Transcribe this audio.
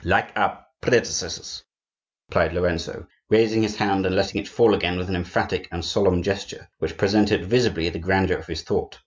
"Like our predecessors," replied Lorenzo, raising his hand and letting it fall again with an emphatic and solemn gesture, which presented visibly the grandeur of his thought.